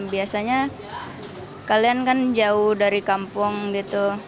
biasanya kalian kan jauh dari kampung gitu